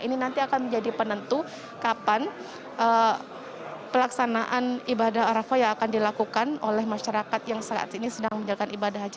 ini nanti akan menjadi penentu kapan pelaksanaan ibadah arafah yang akan dilakukan oleh masyarakat yang saat ini sedang menjalankan ibadah haji